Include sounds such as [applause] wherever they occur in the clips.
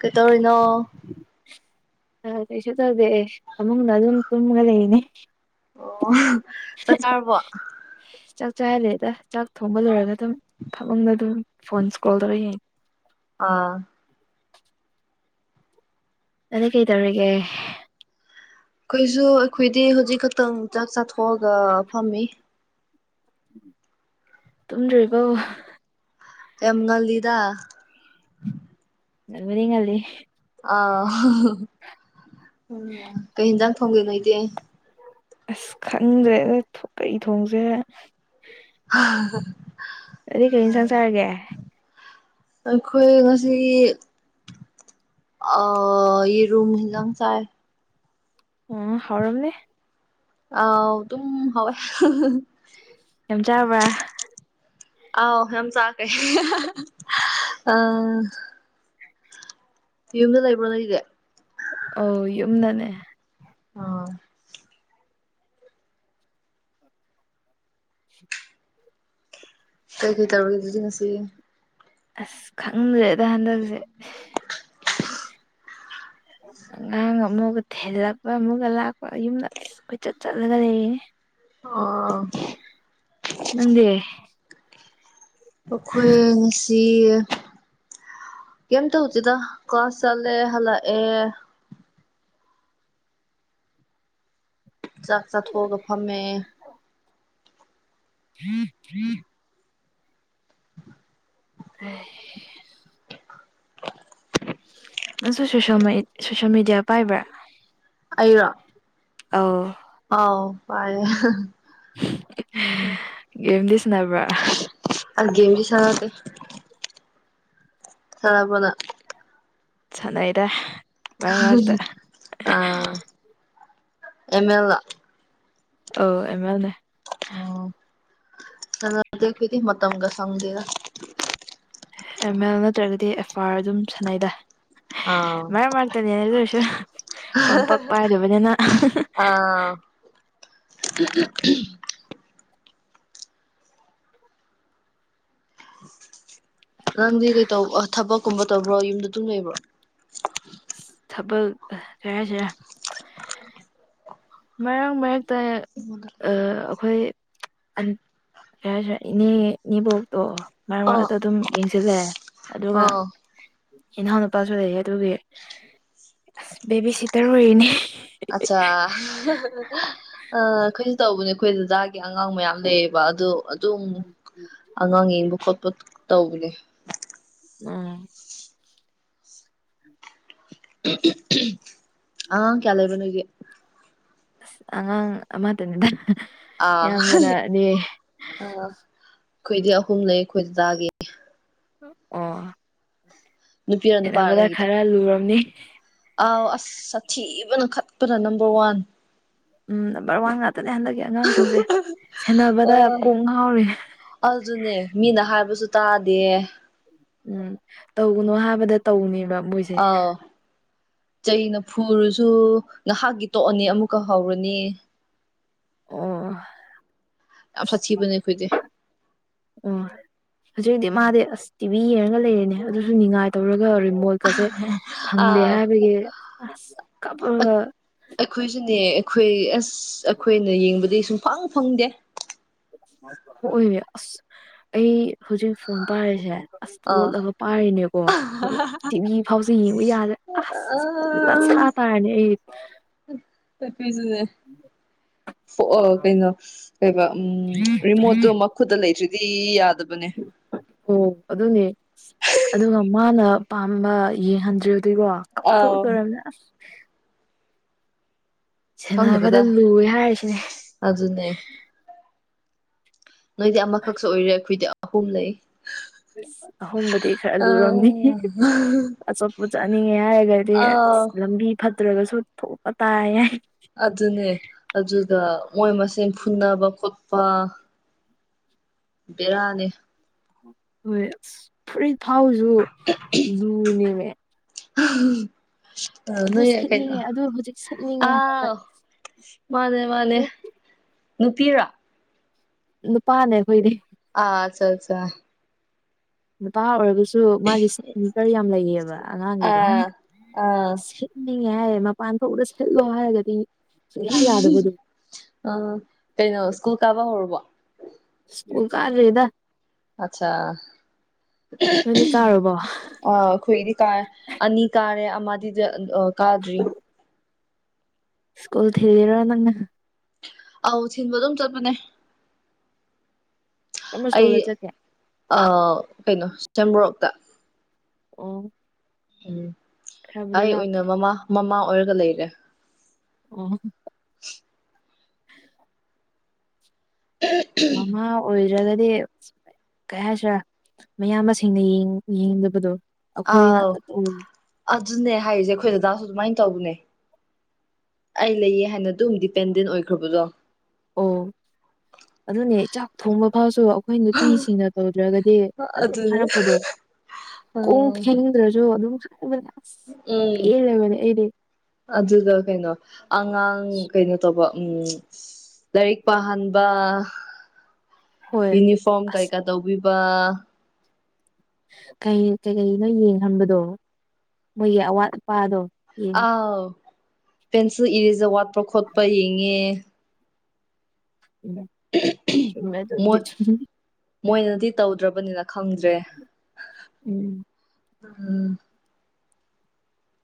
ꯀꯩꯇꯧꯔꯤꯅꯣ ꯑꯥ ꯀꯩꯁꯨ ꯇꯧꯗꯦ ꯐꯝꯃꯨꯡꯗ ꯑꯗꯨꯝ ꯇꯨꯝꯃꯒ ꯂꯩꯔꯅꯤ ꯑꯣ ꯆꯠ ꯆꯥꯔꯕꯣ ꯆꯥꯛ ꯆꯥꯛꯗꯦꯗ ꯆꯥꯛ ꯊꯣꯡꯕ ꯂꯣꯏꯔꯒ ꯑꯗꯨꯝ ꯐꯝꯃꯨꯡꯗ ꯑꯗꯨꯝ ꯐꯣꯟ ꯁ꯭ꯀꯔꯣꯜ ꯇꯧꯔ ꯌꯦꯡ ꯑꯥ ꯅꯤꯗꯤ ꯀꯩꯇꯧꯔꯤꯒꯦ ꯑꯩꯈꯣꯏꯁꯨ-ꯑꯩꯈꯣꯏꯗꯤ ꯍꯧꯖꯤꯛ ꯈꯛꯇꯪ ꯆꯥꯛ ꯆꯥꯊꯣꯛꯑꯒ ꯐꯝꯃꯤ ꯇꯨꯝꯗ꯭ꯔꯤꯕꯣ ꯌꯥꯝ ꯉꯜꯂꯤꯗ ꯉꯟꯕꯨꯗꯤ ꯉꯜꯂꯤ ꯑꯥ ꯎꯝ ꯀꯩ ꯌꯦꯟꯖꯥꯡ ꯊꯣꯡꯒꯦ ꯅꯣꯏꯗꯤ ꯑꯁ ꯈꯪꯗ꯭ꯔꯦꯗ ꯊꯣ ꯀꯩ ꯊꯣꯡꯖꯤꯔ ꯑꯗꯨꯗꯤ ꯀꯔꯤ ꯏꯟꯁꯥꯡ ꯆꯥꯔꯒꯦ [unintelligible] ꯑꯩꯈꯣꯏ ꯉꯁꯤꯒꯤ ꯑꯥ ꯌꯦꯔꯨꯝ ꯂꯧ ꯆꯥꯏ ꯎꯝ ꯍꯥꯎꯔꯝꯅꯤ ꯑꯥꯎ ꯑꯗꯨꯝ ꯍꯥꯎꯋꯦ ꯌꯥꯝ ꯆꯥꯕ꯭ꯔꯥ ꯑ ꯌꯥꯝ ꯆꯥꯈꯦ ꯑ ꯌꯨꯝꯗ ꯂꯩꯕ꯭ꯔꯣ ꯀꯥꯏꯗꯤ ꯑꯣ ꯌꯨꯝꯗ ꯂꯩ ꯑ ꯀꯩꯀꯩ ꯇꯧꯔꯤꯗꯨꯗꯤ ꯉꯁꯤ ꯑꯁ ꯈꯪꯗ꯭ꯔꯦꯗ ꯍꯟꯗꯛꯁꯦ ꯑꯉꯥꯡ ꯑꯃꯒ ꯊꯦꯜꯂꯛꯄ ꯑꯃꯒ ꯂꯥꯛꯄ ꯌꯨꯝꯗ ꯑꯩꯈꯣꯏ ꯆꯠ ꯆꯠꯂꯒ ꯂꯩꯌꯦ ꯑꯣ ꯅꯪꯗꯤ ꯑꯩꯈꯣꯏ ꯉꯁꯤ ꯀꯝ ꯇꯧꯁꯤꯗ ꯀ ꯆꯂꯦ ꯍꯜꯂꯛꯑꯦ ꯆꯥꯛ ꯆꯥꯊꯣꯛ ꯑꯒ ꯐꯝꯃꯦ [unintelligible] [unintelligible] ꯅꯪꯁꯨ ꯁꯣꯁꯦꯜ ꯃꯦ ꯁꯣꯁꯦꯜ ꯃꯦꯗꯤꯌꯥ ꯄꯥꯏꯕ꯭ꯔꯥ ꯑꯩꯔꯣ ꯑꯥꯎ ꯑꯣꯥꯎ ꯄꯥꯏꯌꯦ ꯎꯝ ꯒꯦꯝꯗꯤ ꯁꯥꯟꯅꯕ꯭ꯔꯥ [unintelligible] ꯑ ꯒꯦꯝꯗꯤ ꯁꯥꯟꯅꯗꯦ ꯁꯥꯟꯅꯕ꯭ꯔꯣ ꯅꯪ ꯁꯥꯟꯅꯩꯗ ꯃꯔꯛ ꯃꯔꯛꯇ [unintelligible] ꯑ ꯑꯦꯝ ꯃꯦꯜ ꯂꯣ ꯑꯧ ꯑꯦꯝ ꯃꯦꯜꯅꯦ ꯑꯣ [unintelligible] ꯃꯇꯝꯒ ꯁꯪꯗꯦꯗ ꯑꯦꯝ ꯑꯦꯜ ꯅꯠꯇ꯭ꯔꯒꯗꯤ ꯑꯦꯐ ꯑꯥꯔ ꯑꯗꯨꯝ ꯁꯥꯟꯅꯩ ꯗ ꯑꯥ ꯃꯔꯛ ꯃꯔꯛꯇꯅꯤꯗ ꯑꯗꯨꯁꯨ ꯐꯣꯟ ꯄꯥꯛ ꯄꯥꯏꯗꯕꯅꯤꯅ ꯑꯥ [unintelligible] ꯅꯪꯗꯤ ꯀꯩꯇꯧꯕ ꯊꯕꯛꯀꯨꯝꯕ ꯇꯧꯕ꯭ꯔꯣ ꯌꯨꯝꯗ ꯑꯗꯨꯝ ꯂꯩꯕ꯭ꯔꯣ ꯊꯕꯛ ꯀꯩ ꯍꯥꯏꯁꯤꯔ ꯃꯔꯛ ꯃꯔꯛꯇ [unintelligible] ꯑ ꯑꯩꯈꯣꯏ ꯑꯟ ꯀꯔꯤ ꯍꯥꯏꯁꯤꯔ ꯏꯅꯦ ꯏꯅꯦꯕꯣꯛꯇꯣ ꯃꯔꯛ ꯑꯥ ꯃꯔꯛꯇ ꯑꯗꯨꯝ ꯌꯦꯡꯁꯤꯜꯂꯦ ꯑꯗꯨꯒ ꯑꯥ ꯏꯅꯥꯎ ꯅꯨꯄꯥꯁꯨ ꯂꯩꯌꯦ ꯑꯗꯨꯒꯤ ꯑꯁ ꯕꯦꯕꯤ ꯁꯤꯇꯔ ꯑꯣꯏꯔꯤꯅꯦ ꯑꯆꯥ [unintelligible] ꯑꯩꯈꯣꯏꯁꯨ ꯇꯧꯕꯅꯦ ꯑꯩꯈꯣꯏ ꯗꯥꯗꯥꯒꯤ ꯑꯉꯥꯡ ꯃꯌꯥꯝ ꯂꯩꯌꯦꯕ ꯑꯗꯨ ꯑꯗꯨꯝ ꯑꯉꯥꯡ ꯌꯦꯡꯕ ꯈꯣꯠꯄ ꯇꯧꯕꯅꯦ ꯎꯝ ꯑꯉꯥꯡ ꯀꯌꯥ ꯂꯩꯕ ꯅꯣꯏꯒꯤ ꯑꯉꯥꯡ ꯑꯃ ꯇꯅꯤꯗ ꯑꯥ [unintelligible] ꯑꯩꯈꯣꯏꯗꯤ ꯑꯍꯨꯝ ꯂꯩ ꯑꯩꯈꯣꯏ ꯗꯗꯥꯒꯤ [unintelligible] ꯑꯣ ꯅꯨꯄꯤꯔ ꯅꯨꯄꯥꯔ ꯈꯦꯠꯅꯕꯗ ꯅꯪꯒꯤꯗꯣ ꯈꯔ ꯂꯨꯔꯝꯅꯤ ꯑꯥꯎ ꯑꯁ ꯁꯥꯊꯤꯕꯅ ꯈꯠꯄꯗ number one um number one ꯉꯥꯛꯇꯅꯦ ꯍꯟꯗꯛꯀꯤ ꯑꯉꯥꯡꯁꯤꯡꯖꯦ ꯁꯦꯟꯅꯕꯗ ꯑꯣ ꯀꯣꯛ ꯉꯥꯎꯔꯤ ꯑꯗꯨꯅꯦ ꯃꯤꯅ ꯍꯥꯏꯕꯁꯨ ꯇꯥꯗꯦ ꯎꯝ ꯇꯧꯒꯅꯣ ꯍꯥꯏꯕꯗ ꯇꯧꯅꯦꯕ ꯃꯣꯏꯖꯦ ꯑꯥꯎ ꯆꯩꯅ ꯐꯨꯔꯨꯁꯨ ꯉꯍꯥꯛꯀꯤ ꯇꯣꯛꯑꯅꯤ ꯑꯃꯨꯛꯀ ꯍꯧꯔꯅꯤ ꯑꯣ ꯌꯥꯝ ꯁꯥꯊꯤꯕꯅꯦ ꯑꯩꯈꯣꯏꯗꯤ [unintelligible] ꯑꯣ ꯍꯧꯖꯤꯛ ꯍꯧꯛꯇꯤ ꯃꯥꯗꯤ ꯑꯁ ꯇꯤ ꯚꯤ ꯌꯦꯡꯉꯒ ꯂꯩꯔꯦꯅꯦ ꯑꯗꯨꯁꯨ ꯉꯥꯏ ꯇꯧꯔꯒ ꯔꯤꯃꯣꯠ ꯀꯁꯦ ꯐꯪꯗꯦ ꯑꯥ ꯍꯥꯏꯕꯒꯤ ꯑꯁ ꯀꯞꯄꯒ ꯑꯩꯈꯣꯏꯁꯨꯅꯦ ꯑꯩꯈꯣꯏ ꯑꯁ ꯑꯩꯈꯣꯏꯅ ꯌꯦꯡꯕꯗꯤ ꯁꯨꯡ ꯐꯪ ꯐꯪꯗꯦ [unintelligible] ꯍꯣꯏ ꯑꯁ ꯑꯩ ꯍꯧꯖꯤꯛ ꯐꯣꯟ ꯄꯥꯏꯔꯤꯁꯦ ꯑꯁ ꯑꯥ ꯂꯣꯠꯂꯒ ꯄꯥꯏꯔꯤꯅꯦꯀꯣ ꯇꯤꯚꯤ ꯐꯥꯎꯁꯦ ꯌꯦꯡꯉꯨ ꯌꯥꯗ꯭ꯔꯦ ꯑꯁ [unintelligible] ꯑꯩ [unintelligible] [unintelligible] ꯀꯩꯅꯣ ꯀꯩꯕ ꯎꯝ ꯔꯤꯃꯣꯠꯇꯣ ꯈꯨꯠꯇ ꯂꯩꯇ꯭ꯔꯤꯗꯤ ꯌꯥꯗꯕꯅꯦ [unintelligible] ꯑꯣ ꯑꯗꯨꯅꯦ ꯑꯗꯨꯒ ꯃꯥꯅ ꯄꯥꯝꯕ ꯌꯦꯡꯍꯟꯗ꯭ꯔ ꯗ꯭ꯔꯤꯀꯣ ꯑꯥꯎ ꯀꯞꯊꯣꯛꯇꯣꯏꯔꯤꯅꯦ ꯑꯁ ꯁꯦꯟꯅꯕꯗ ꯂꯨꯑꯦ ꯍꯥꯏꯔꯤꯁꯤꯅꯦ ꯑꯗꯨ ꯑꯗꯨꯅꯦ ꯅꯣꯏꯗꯤ ꯑꯃꯈꯛꯁꯨ ꯑꯣꯏꯔꯦ ꯑꯩꯈꯣꯏꯗꯤ ꯑꯍꯨꯝ ꯂꯩ ꯑꯁ ꯑꯍꯣꯡꯕꯗꯤ ꯈꯔ ꯑ ꯂꯨꯝꯅꯤ ꯑꯆꯣꯄ ꯆꯠꯅꯤꯡꯉꯦ ꯍꯥꯏꯔꯒꯗꯤ ꯑ ꯑꯥ ꯂꯝꯕꯤ ꯐꯠꯇ꯭ꯔꯒꯁꯨ ꯊꯣꯛꯄ ꯇꯥꯏ ꯍꯥꯏꯏ ꯑꯗꯨꯅꯦ ꯑꯗꯨꯒ ꯃꯣꯏ ꯃꯦꯟ ꯐꯨꯅꯕ ꯈꯣꯠꯄ ꯕꯤꯔꯥꯅꯦ ꯍꯣꯏ ꯑꯁ ꯐꯨꯔꯤꯠ ꯊꯥꯎꯁꯨ ꯂꯨꯅꯦꯕ ꯑꯗꯨ ꯑ ꯀꯩꯅ ꯁꯦꯠꯅꯤꯡꯉꯦ ꯑꯗꯨ ꯍꯧꯖꯤꯛ ꯁꯦꯠꯅꯤꯡꯉꯦ ꯑ ꯍꯥꯏꯔꯒ ꯃꯥꯅꯦ ꯃꯥꯅꯦ ꯅꯨꯄꯤꯔꯥ ꯅꯨꯄꯥꯅꯦ ꯑꯩꯈꯣꯏꯅꯦ ꯑ ꯑꯠꯆꯥ ꯑꯠꯆꯥ ꯅꯨꯄꯥ ꯑꯣꯏꯔꯒꯁꯨ ꯃꯥꯒꯤ ꯏꯁꯝꯀꯔ ꯌꯥꯝ ꯂꯩꯌꯦꯕ ꯑꯉꯥꯡꯒꯤꯗ ꯑꯥ ꯑꯥ ꯅꯤꯡꯉꯦ ꯍꯥꯏꯌꯦ ꯃꯄꯥꯟ ꯊꯣꯛꯗ ꯁꯤꯠꯂꯣ ꯍꯥꯏꯔꯒꯗꯤ ꯁꯨꯡꯌꯥ ꯌꯥꯗꯕꯗꯨ ꯎꯝ ꯀꯩꯅꯣ ꯁ꯭ꯀꯨꯜ ꯀꯥꯕ ꯍꯧꯔꯔꯕꯣ ꯁꯀꯨꯜ ꯀꯔ ꯔꯦꯗ ꯑꯆꯥ ꯅꯣꯏꯗꯤ ꯀꯥꯔꯨꯕꯣ ꯑ ꯑꯩꯈꯣꯏꯗꯤ ꯀꯥꯔꯦ ꯑꯅꯤ ꯀꯥꯔꯦ ꯑꯃꯗꯤ ꯀꯥꯗ꯭ꯔꯤ ꯁꯀꯨꯜ ꯊꯤꯗꯔꯣ ꯅꯪ ꯑꯧ ꯊꯤꯟꯕ ꯑꯗꯨꯝ ꯆꯠꯄꯅꯦ ꯀꯃꯔꯁ ꯁꯀꯣꯜꯗ ꯆꯠꯀꯦ ꯑ ꯀꯩꯅꯣ ꯁꯕꯣꯔꯣꯛꯇ ꯑꯣ ꯎꯝ ꯈꯔꯕꯨꯗꯤ ꯑꯩ ꯑꯣꯏꯅ ꯃꯃꯥ ꯃꯃꯥ ꯑꯣꯏꯔꯒ ꯂꯩꯔꯦ ꯑꯣ ꯃꯃ ꯑꯣꯏꯗ꯭ꯔꯒꯗꯤ ꯀꯩ ꯍꯥꯏꯁꯤꯔꯦ ꯃꯌꯥꯝꯕ ꯃꯁꯤꯡꯅ ꯌꯦꯡꯗꯕꯗꯣ ꯑꯩꯈꯣꯏ ꯑꯥꯎ ꯉꯥꯛꯇ ꯑꯗꯨꯅꯦ ꯍꯥꯏꯔꯤꯁꯦ ꯑꯩꯈꯣꯏ ꯗꯗꯥꯁꯨ ꯑꯗꯨꯃꯥꯏꯅ ꯇꯧꯕꯅꯦ ꯑꯩ ꯂꯩꯌꯦ ꯍꯥꯏꯅ ꯑꯗꯨꯝ ꯗꯤꯄꯦꯟꯗꯦꯟ ꯑꯣꯏꯈ꯭ꯔꯕꯗꯣ ꯑꯣ ꯑꯗꯨꯅꯦ ꯆꯥꯛ ꯊꯣꯡꯕ ꯐꯥꯎꯁꯨ ꯑꯩꯈꯣꯏ ꯅꯨꯄꯤꯁꯤꯡꯅ ꯇꯧꯗ꯭ꯔꯒꯗꯤ ꯑꯗꯨꯝ ꯑꯗꯨꯅꯦ ꯍꯥꯏꯔꯛꯄꯗꯣ ꯀꯣꯡ ꯐ ꯭ꯔꯖꯣ ꯑꯗꯨ ꯎꯝ ꯑꯗꯨꯗ ꯀꯩꯅꯣ ꯑꯉꯥꯡ ꯀꯩꯅꯣ ꯇꯧꯕ ꯎꯝ ꯂꯥꯏꯔꯤꯛ ꯄꯥꯍꯟꯕ ꯍꯣꯏ ꯌꯨꯅꯤꯐꯣꯔꯝ ꯑꯁ ꯀꯩꯀꯥ ꯇꯧꯕꯤꯕ ꯀꯩꯀꯩꯅꯣ ꯌꯦꯡꯍꯟꯕꯗꯣ ꯃꯣꯏꯒꯤ ꯑꯋꯥꯠ ꯑꯄꯥꯗꯣ ꯌꯦꯡ ꯑꯥꯎ ꯄꯦꯟꯁꯤꯜ ꯏꯔꯤꯖ ꯋꯥꯠꯄ ꯈꯣꯠꯄ ꯌꯦꯡꯉꯦ ꯃꯦ ꯇꯗꯤ ꯃꯣꯏ ꯃꯣꯏꯅꯗꯤ ꯇꯧꯗ꯭ꯔꯕꯅꯤꯅ ꯈꯪꯗ꯭ꯔꯦ ꯎꯝ ꯎꯝ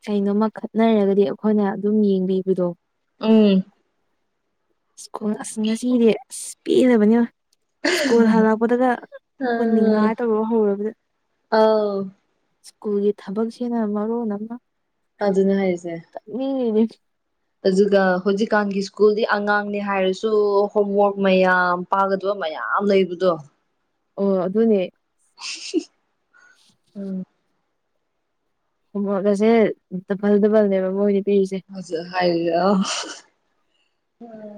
ꯀꯩꯅꯣꯝꯃ ꯈꯠꯅꯔꯒꯗꯤ ꯑꯩꯈꯣꯏꯅ ꯑꯗꯨꯝ ꯌꯦꯡꯕꯤꯕꯗꯣ ꯎꯝ ꯁꯀꯣ ꯑꯁ ꯉꯁꯤꯗꯤ ꯑꯁ ꯄꯤꯅꯕꯅꯦ ꯁ꯭ꯀꯨꯜ ꯍꯜꯂꯛꯄꯗꯒ ꯑꯃꯨꯛꯒ ꯑꯥ ꯅꯤꯡꯉꯥꯏ ꯇꯧꯔꯒ ꯍꯧꯔꯕꯗ ꯑꯥꯎ ꯁ꯭ꯀꯨꯜꯒꯤ ꯊꯕꯛꯁꯤꯅ ꯃꯔꯨ ꯅꯃ ꯑꯗꯨꯅ ꯍꯥꯏꯔꯤꯁꯦ ꯎ ꯑꯗꯨꯒ ꯍꯧꯖꯤꯛꯀꯥꯟꯒꯤ ꯁ꯭ꯀꯨꯜꯗꯤ ꯑꯉꯥꯡꯅꯤ ꯍꯥꯏꯔꯁꯨ ꯍꯣꯝꯋꯔꯛ ꯃꯌꯥꯝ ꯄꯥꯒꯗꯕ ꯃꯌꯥꯝ ꯂꯩꯕꯗꯣ ꯑꯣ ꯑꯗꯨꯅꯦ [unintelligible] ꯎꯝ ꯐꯨꯕꯣꯜꯒꯁꯦ ꯗꯕꯜ ꯗꯕꯜꯅꯦꯕ ꯃꯣꯏꯗ ꯄꯤꯔꯤꯁꯦ [unintelligible]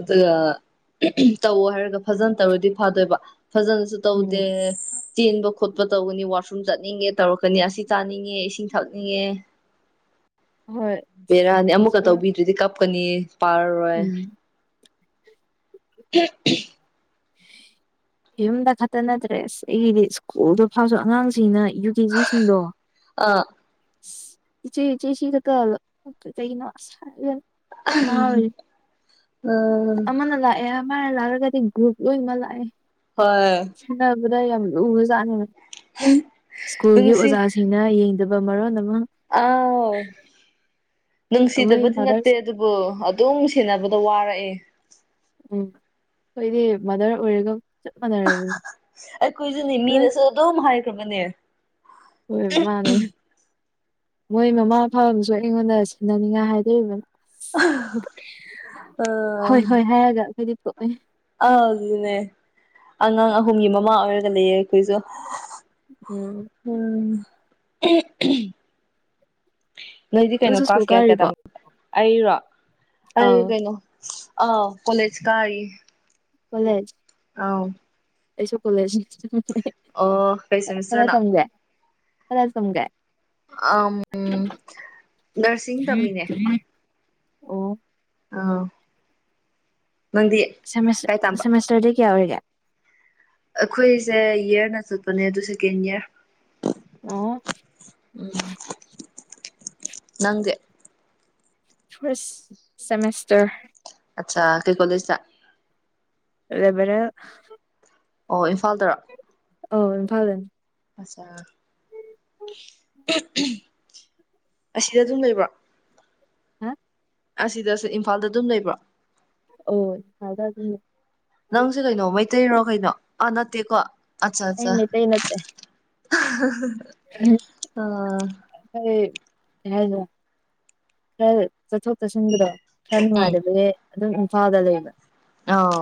ꯑꯗꯨꯒ [unintelligible] ꯇꯧ ꯍꯥꯏꯔꯒ ꯐꯖꯅ ꯇꯧꯔꯗꯤ ꯐꯗꯣꯏꯕ ꯐꯖꯅꯁꯨ ꯇꯧꯗꯦ ꯎꯝ ꯆꯦꯟꯕ ꯈꯣꯠꯄ ꯇꯧꯒꯅꯤ ꯋꯥꯁꯔꯨꯝ ꯆꯠꯅꯤꯡꯉꯦ ꯇꯧꯔꯛꯀꯅꯤ ꯑꯁꯤ ꯆꯥꯅꯤꯡꯉꯦ ꯏꯁꯤꯡ ꯊꯛꯅꯤꯡꯉꯦ [unintelligible] ꯍꯣꯏ ꯕꯦꯔꯥꯅꯤ ꯑꯃꯨꯛꯀ ꯁ꯭ꯀꯨꯜ ꯇꯧꯕꯤꯗ꯭ꯔꯤꯗꯤ ꯀꯞꯀꯅꯤ ꯄꯥ ꯎꯝ [unintelligible] ꯌꯨꯝꯗ ꯈꯛꯇ ꯅꯠꯇ꯭ꯔꯦ ꯑꯁ ꯑꯩꯒꯤꯗꯤ ꯁ꯭ꯀꯨꯜꯗꯣ ꯐꯥꯎꯁꯨ ꯑꯉꯥꯡꯁꯤꯡꯅ ꯌꯨ ꯀꯦ ꯖꯤꯁꯤꯡꯗꯣ ꯑꯥ ꯏꯁ ꯏꯆꯦ ꯏꯆꯦ ꯁꯤꯗꯀꯂꯣ [unintelligible] ꯀꯩꯒꯤꯅꯣ [inaudible] ꯀꯣꯛ ꯉꯥꯎꯔꯤ ꯎꯝ ꯑꯃꯅ ꯂꯥꯛꯑꯦ ꯃꯥꯅ ꯂꯥꯛꯂꯒꯗꯤ ꯒ꯭ꯔꯨꯨꯞ ꯂꯣꯏ ꯃꯥ ꯂꯥꯑꯦ ꯍꯣꯏ ꯁꯥꯟꯅꯕꯗ ꯌꯥꯝ ꯂꯨꯒꯔꯥꯆꯥꯠꯅꯤ ꯁ꯭ꯀꯨꯜꯒꯤ ꯅꯨꯡꯁꯤ ꯑꯣꯖꯥꯁꯤꯡꯅ ꯌꯦꯡꯗꯕ ꯃꯔꯣꯟ ꯑꯃ ꯑꯥꯎ ꯑꯩꯈꯣꯏ ꯅꯨꯡꯁꯤꯗꯕꯗꯤ ꯅꯠꯇꯦ ꯃꯥꯗꯔꯁ ꯑꯗꯨ ꯑꯣ ꯑꯗꯨꯝ ꯁꯦꯟꯅꯕꯗ ꯋꯥꯔꯛꯑꯦ ꯎꯝ ꯈꯣꯏꯗꯤ ꯃꯥꯗꯔ ꯑꯣꯏꯔꯗꯧ ꯑꯩꯈꯣꯏꯁꯨꯅꯦ ꯑꯗꯩ ꯃꯤꯅꯁꯨ ꯑꯗꯨꯝ ꯍꯥꯏꯈ꯭ꯔꯕꯅꯦ ꯍꯣꯏ ꯃꯥꯟꯅꯦ ꯃꯣꯏ ꯃꯃꯥ ꯐꯕꯁꯨ ꯑꯩꯉꯣꯟꯗ ꯁꯤꯟꯅꯅꯤꯡꯉꯥꯏ ꯍꯥꯏꯗꯣꯔꯤꯕꯅ ꯑ ꯍꯣꯏ ꯍꯣꯏ ꯍꯥꯏꯔꯒ ꯑꯩꯈꯣꯏꯗꯤ ꯄꯣꯛꯑꯦ ꯑꯥ ꯑꯗꯨꯅꯦ ꯑꯉꯥꯡ ꯑꯍꯨꯝꯒꯤ ꯃꯃꯥ ꯑꯣꯏꯔꯒ ꯂꯩꯌꯦ ꯑꯩꯈꯣꯏꯁꯨ ꯎꯝ ꯎꯝ [unintelligible] ꯅꯣꯏꯗꯤ ꯀꯩꯅꯣ ꯅꯪꯁꯨ ꯁ꯭ꯀꯨꯜ ꯀꯂꯥꯁ ꯀꯌꯥ ꯀꯌꯥ ꯀꯥꯔꯤꯕꯣ ꯇꯝ ꯑꯩꯔꯣ ꯑꯩ ꯑꯥꯎ ꯀꯩꯅꯣ ꯑꯥ ꯀꯣꯂꯦꯖ ꯀꯥꯔꯤ ꯀꯣꯂꯦꯖ ꯑꯥꯎ ꯑꯩꯁꯨ ꯀꯣꯂꯦꯖꯁꯦ ꯑꯣ ꯀꯩ ꯈꯔ ꯁꯦꯃꯤꯁꯇꯔꯅꯣ ꯇꯝꯒꯦ ꯈꯔ ꯇꯝꯒꯦ ꯑ ꯎꯝ ꯅꯔꯁꯤꯡ ꯇꯝꯃꯤꯅꯦ ꯑꯣ ꯑꯥꯎ ꯁꯦꯃꯤꯁ ꯁꯦꯃꯦꯁꯇꯔꯗꯒꯤ ꯀꯌꯥ ꯑꯣꯏꯔꯤꯒꯦ ꯑꯩꯈꯣꯏꯁꯦ ꯏꯌꯔꯅ ꯆꯠꯄꯅꯦ ꯑꯗꯨ ꯁꯦꯀꯦꯟ ꯏꯌꯥꯔ ꯑꯣ ꯎꯝ ꯅꯪꯗꯤ ꯐꯥꯔꯁ ꯁꯃꯦꯁꯇꯔ ꯑꯆꯥ ꯀꯩ ꯀꯣꯂꯦꯖꯇꯥ ꯔꯦꯕꯦꯔꯦꯜ ꯑꯣ ꯏꯝꯐꯥꯜꯗꯔꯣ ꯑꯣ ꯏꯝꯐꯜꯗꯅꯤ ꯑꯆꯥ [unintelligible] ꯑꯁꯤꯗ ꯑꯗꯨꯝ ꯂꯩꯕ꯭ꯔꯣ ꯍꯥ ꯑꯁꯤꯗꯁꯨ ꯏꯝꯐꯥꯜꯗ ꯑꯗꯨꯝ ꯂꯩꯕ꯭ꯔꯣ ꯍꯣꯏ ꯏꯝꯐꯥꯜꯗ ꯑꯗꯨꯝ ꯂꯩ ꯅꯪꯁꯦ ꯀꯩꯅꯣ ꯃꯩꯇꯩꯔꯣ ꯀꯩꯅꯣ ꯑꯥ ꯅꯠꯇꯦꯀꯣ ꯑꯠꯆꯥ ꯑꯩ ꯑꯠꯆꯥ ꯃꯩꯇꯩ ꯅꯠꯇꯦ [unintelligible] [unintelligible] ꯑ ꯀꯩ ꯍꯥꯏꯅꯣ ꯈꯔ ꯆꯠꯊꯣꯛ ꯆꯠꯁꯤꯟꯒꯤꯗꯣ ꯈꯔ ꯅꯨꯡꯉꯥꯏꯗꯕꯒꯤ ꯑꯗꯨꯝ ꯏꯝꯐꯥꯜꯗ ꯂꯩꯕ ꯑ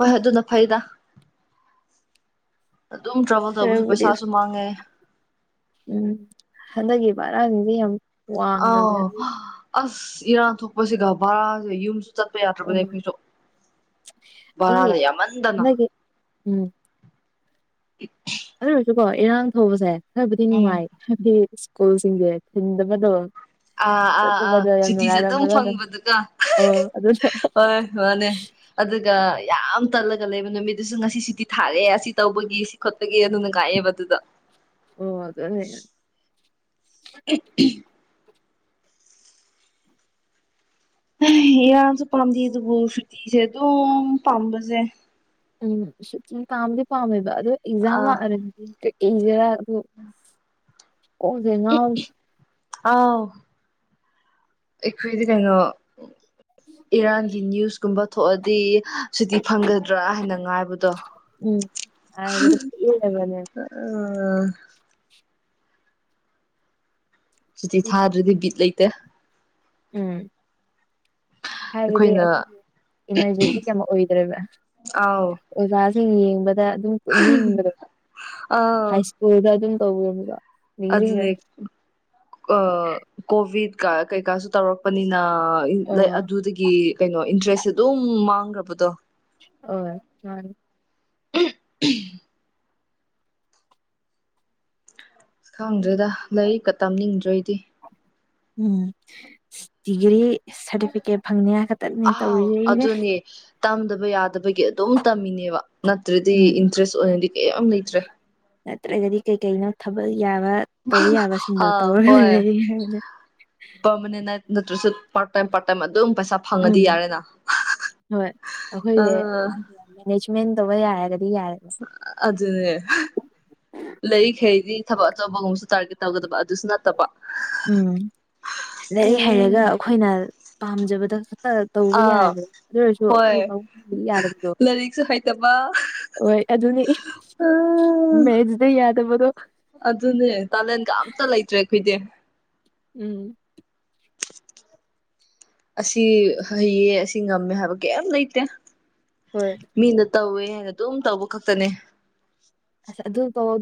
ꯍꯣꯏ ꯑꯗꯨꯅ ꯐꯩꯗ ꯑꯗꯨꯝ ꯇ꯭ꯔꯥꯕꯦꯜ ꯇꯧꯕꯁꯨ ꯈꯔꯕꯨꯗꯤ ꯄꯩꯁꯥꯁꯨ ꯃꯥꯡꯉꯦ ꯎꯝ ꯍꯟꯗꯛꯀꯤ ꯕꯔꯥꯖꯤꯗꯤ ꯌꯥꯝ ꯋꯥꯡꯈ꯭ꯔꯕꯅꯦ ꯑꯥꯎ ꯑꯗꯨꯒꯤ ꯑꯁ ꯏꯔꯥꯡ ꯊꯣꯛꯄꯁꯤꯒ ꯚꯔꯥꯁꯦ ꯌꯨꯝ ꯆꯠꯄ ꯌꯥꯗ꯭ꯔꯕꯗꯤ ꯑꯩꯈꯣꯏꯁꯨ ꯑꯩꯒꯤ ꯚꯔꯥꯗ ꯌꯥꯝꯃꯟꯗꯅ ꯍꯟꯗꯛꯀꯤ ꯎꯝ ꯑꯗꯨ ꯑꯣꯏꯔꯁꯨꯀꯣ ꯏꯔꯥꯡ ꯊꯧꯕꯁꯦ ꯈꯔꯕꯨꯗꯤ ꯎꯝ ꯅꯨꯡꯉꯥꯏ ꯍꯥꯏꯕꯗꯤ ꯁ꯭ꯀꯨꯜꯁꯤꯡꯁꯦ ꯊꯤꯟꯗꯕꯗꯣ ꯑꯥ ꯑꯥ ꯑꯥ ꯆꯠꯇꯕꯗꯣ ꯁꯨꯇꯤꯁꯦ ꯑꯗꯨꯝ ꯐꯪꯕꯗꯨꯒ ꯑ ꯑꯗꯨ ꯍꯣꯏ ꯃꯥꯅꯦ ꯑꯗꯨꯒ ꯌꯥꯝ ꯇꯜꯂꯒ ꯂꯩꯕ ꯅꯨꯃꯤꯠꯇꯗꯨꯁꯨ ꯉꯁꯤ ꯁꯤꯇꯤ ꯊꯥꯔꯦ ꯁꯤ ꯇꯧꯕꯒꯤ ꯁꯤ ꯈꯣꯠꯄꯒꯤ ꯑꯗꯨꯅ ꯉꯥꯑꯦꯕ ꯑꯗꯨꯗ ꯑꯣ ꯑꯗꯅꯦ [unintelligible] ꯌꯁꯨ ꯄꯥꯝꯗꯦ ꯑꯗꯨꯕꯨ ꯁꯨꯇꯤꯁꯦ ꯑꯗꯨꯝ ꯄꯥꯝꯕꯁꯦ ꯎꯝ ꯁꯨꯇꯤ ꯄꯥꯝꯗꯤ ꯄꯥꯝꯃꯦꯕ ꯑꯗꯣ ꯑꯦꯛꯖꯥꯝ ꯑꯥ ꯂꯥꯛꯑ [unintelligible] ꯎꯝ ꯀꯣꯡꯖꯦ ꯉꯥꯎ ꯑꯥꯎ ꯑꯩꯈ꯭ꯣꯏꯗꯤ ꯀꯩꯅꯣ ꯏꯔꯥꯟꯒꯤ ꯅ꯭ꯌꯨꯁ ꯀꯨꯝꯕ ꯊꯣꯛꯑꯗꯤ ꯁꯤꯇꯤ ꯐꯪꯒꯗ꯭ꯔꯥ ꯍꯥꯏꯅ ꯉꯥꯏꯕꯗꯣ ꯎꯝ ꯍꯥꯏꯕꯗ ꯄꯦꯜꯂꯒꯅꯦ [unintelligible] ꯁꯨꯇꯤ ꯊꯥꯗ꯭ꯔꯗꯤ ꯕꯤꯠ ꯂꯩꯇꯦ ꯎꯝ ꯍꯥꯏꯕꯗꯤ ꯑꯩꯈꯣꯏꯅ ꯑꯩꯈꯣꯏꯒꯤ ꯏꯅꯔꯖꯦꯇꯤꯛ ꯌꯥꯝ ꯑꯣꯏꯗ꯭ꯔꯦꯕ ꯑꯥꯎ ꯑꯣꯖꯥꯖꯤꯡ ꯌꯦꯡꯕꯗ ꯑꯗꯨꯝ ꯃꯤꯡꯕꯗꯣ ꯑꯥ ꯍꯥꯏꯁ ꯏꯁ꯭ꯀꯨꯜꯗ ꯑꯗꯨꯝ [unintelligible] ꯅꯤꯡꯁꯤꯡꯉꯦ ꯑꯗꯨꯅꯦ ꯀꯣꯚꯤꯠ ꯀ ꯀꯩꯀꯥꯁꯨ ꯇꯧꯔꯛꯄꯅꯤꯅ ꯑꯣ ꯑꯗꯨꯗꯒꯤ ꯀꯩꯅꯣ ꯏꯟꯇ꯭ꯔꯦꯁꯁꯦ ꯑꯗꯨꯝ ꯃꯥꯡꯈ꯭ꯔꯕꯗꯣ ꯑꯣ ꯃꯅꯤ [unintelligible] [inaudible] ꯈꯪꯗ꯭ꯔꯦꯗ ꯂꯥꯏꯔꯤꯛꯀ ꯇꯝꯅꯤꯡꯗ꯭ꯔꯦ ꯑꯩꯗꯤ ꯎꯝ ꯗꯤꯒ꯭ꯔꯤ ꯁꯥꯔꯇꯤꯐꯤꯀꯦꯠ ꯐꯪꯅꯤꯉ ꯈꯛꯇꯅꯤ ꯑꯥꯎ ꯇꯧꯔꯤꯁꯦ ꯏꯅꯦ [unintelligible] ꯇꯝꯗꯕ ꯌꯥꯗꯕꯒꯤ ꯑꯗꯨꯝ ꯇꯝꯃꯤꯅꯦꯕ ꯅꯠꯇ꯭ꯔꯗꯤ ꯎꯝ ꯏꯟꯇꯔꯦꯁ ꯑꯣꯏꯅꯗꯤ ꯀꯩꯌꯝ ꯂꯩꯇ꯭ꯔꯦ ꯅꯠꯇ꯭ꯔꯒꯗꯤ ꯀꯩ-ꯀꯩꯅꯣ ꯊꯕꯛ ꯌꯥꯕ ꯇꯧꯕ ꯌꯥꯕꯁꯤꯡꯗꯣ ꯑꯥ ꯇꯧꯔꯒ [inaudible] ꯍꯥꯏꯕꯅꯦ ꯄ꯭ꯔꯃꯅꯦꯟ ꯅꯠ-ꯅꯠꯇꯁꯨ ꯄ꯭ꯥꯔꯛꯇꯥꯏꯝ-ꯄ꯭ꯥꯔꯛꯇꯥꯏꯝ ꯑꯗꯨꯝ ꯄꯩꯁꯥ ꯐꯪꯉꯗꯤ ꯎꯝ ꯌꯥꯔꯦꯅ ꯍꯣꯏ ꯑꯩꯈꯣꯏꯒꯤ ꯑꯥ ꯃꯦꯅꯦꯖꯃꯦꯟ ꯇꯧꯕ ꯌꯥꯔꯒꯗꯤ ꯌꯥꯔꯦ ꯑꯗꯨꯅꯦ ꯂꯩꯔꯤꯛ ꯍꯩꯔꯗꯤ ꯊꯕꯛ ꯑꯆꯧꯕꯒꯨꯝꯕꯁꯨ ꯇꯥꯔꯒꯦꯠ ꯇꯧꯒꯗꯕ ꯑꯗꯨꯁꯨ ꯅꯠꯇꯕ ꯎꯝ ꯂꯥꯏꯔꯤꯛ ꯍꯩꯔꯒ ꯑꯩꯈꯣꯏꯅ ꯄꯥꯝꯖꯕꯗ ꯇꯧꯕ ꯑꯥ ꯌꯥꯏꯕꯅꯦ ꯑꯗꯨ ꯑꯣꯏꯔꯁꯨ ꯍꯣꯏ ꯑꯈꯣꯏ ꯄꯥꯕꯨꯡ [inaudible] ꯗꯤ ꯌꯥꯗꯕꯗꯣ ꯂꯥꯏꯔꯤꯛꯁꯨ ꯍꯩꯇꯕ ꯍꯣꯏ ꯑꯗꯨꯅꯤ ꯃꯦꯖꯗꯤ ꯌꯥꯗꯕꯗꯣ ꯑꯗꯨꯅꯦ ꯇꯥꯜꯂꯦꯟ ꯀ ꯑꯝꯇ ꯂꯩꯇ꯭ꯔꯦ ꯑꯩꯈꯣꯏꯗꯤ ꯎꯝ ꯑꯁꯤ ꯍꯩꯌꯦ ꯑꯁꯤ ꯉꯝꯃꯦ ꯍꯥꯏꯕ ꯀꯩꯝ ꯂꯩꯇꯦ꯫ ꯍꯣꯏ ꯃꯤꯅ ꯇꯧꯋꯦ ꯍꯥꯏꯅ ꯑꯗꯨꯝ ꯇꯧꯕ ꯈꯛꯇꯅꯦ꯫ ꯑꯁ ꯑꯗꯨ ꯇꯧ